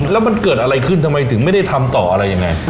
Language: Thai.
แล้วมันเกิดอะไรขึ้นทำไมถึงไม่ได้ทำต่ออะไรยังไง